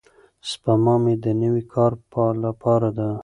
سپما مې د نوي کار لپاره ده.